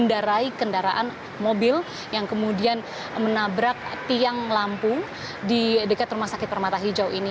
mendarai kendaraan mobil yang kemudian menabrak tiang lampung di dekat rumah sakit permata hijau ini